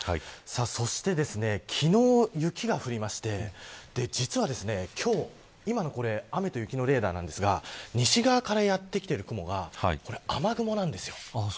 そして昨日、雪が降りまして実は今日今のこれ、雨と雪のレーダーなんですが西側からやってきている雲がこれ雨雲なんですよ。